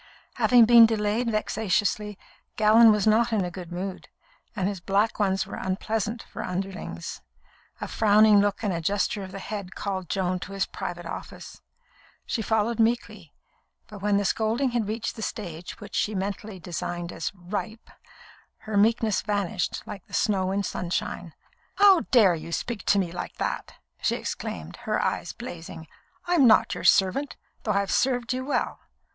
Having been delayed vexatiously, Gallon was not in a good mood, and his black ones were unpleasant for underlings. A frowning look and a gesture of the head called Joan to his private office. She followed meekly; but when the scolding had reached the stage which she mentally designated as "ripe," her meekness vanished like snow in sunshine. "How dare you speak to me like that!" she exclaimed, her eyes blazing. "I'm not your servant, though I have served you well.